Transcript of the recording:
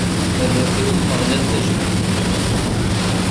Rret i Umeɣlal tajmilt!